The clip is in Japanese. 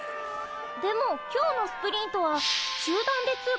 でも今日のスプリントは集団で通過したんじゃ。